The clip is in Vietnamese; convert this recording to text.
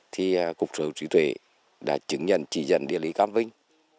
thì cục trưởng trí tuệ đã chứng nhận chỉ diễn địa lý cam vinh